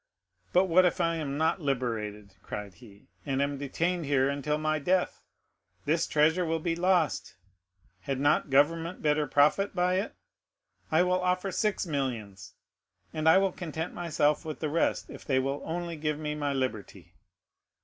"But what if I am not liberated," cried he, "and am detained here until my death? this treasure will be lost. Had not government better profit by it? I will offer six millions, and I will content myself with the rest, if they will only give me my liberty."